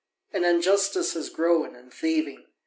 And injustice has grown, and thieving.